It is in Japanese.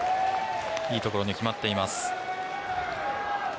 いい所に決まっています。